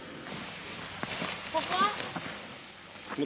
ここ？